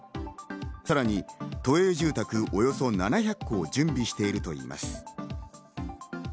さらに都営住宅およそ７００戸を準備しているといいます。